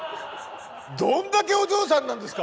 どんだけお嬢さんなんですか？